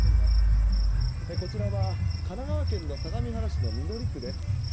こちらは神奈川県の相模原市の緑区です。